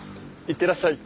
いってらっしゃい。